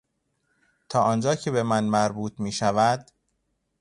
تا آنجا که بهمن مربوط میشود